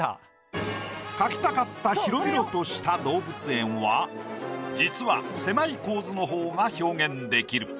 描きたかった広々とした動物園は実は狭い構図の方が表現できる。